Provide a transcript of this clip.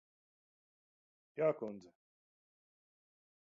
Jā, kundze.